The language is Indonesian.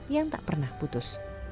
yang tak pernah putus